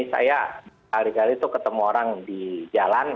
saya hari hari ketemu orang di jalan